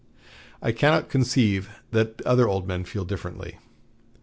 I cannot conceive that other old men feel differently.